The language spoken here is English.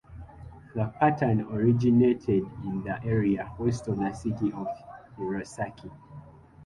The pattern originated in the area west of the city of Hirosaki.